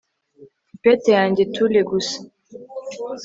tippet yanjye tulle gusa